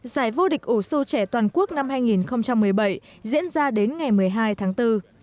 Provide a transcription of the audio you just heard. giải vô địch u xô trẻ toàn quốc năm hai nghìn một mươi bảy diễn ra đến ngày một mươi hai tháng bốn